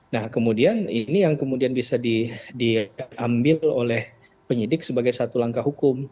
nah kemudian ini yang kemudian bisa diambil oleh penyidik sebagai satu langkah hukum